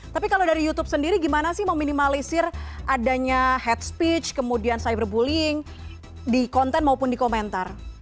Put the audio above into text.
tapi kalau dari youtube sendiri gimana sih meminimalisir adanya hate speech kemudian cyberbullying di konten maupun di komentar